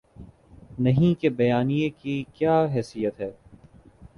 نہیں کے بیانیے کی کیا حیثیت ہے؟